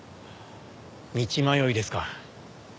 道迷いですか。